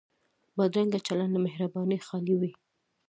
بدرنګه چلند له مهربانۍ خالي وي